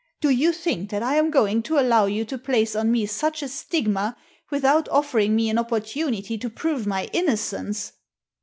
Do you think that I am going to allow you to place on me such a stigma without offering me an opportunity to prove my innocence?"